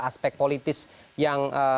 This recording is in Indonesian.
aspek politis yang